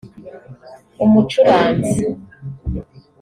umucuranzi